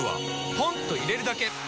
ポンと入れるだけ！